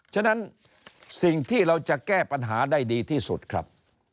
ฉะนั้นสิ่งที่เราจะแก้ปัญหาได้ดีที่สุดครับ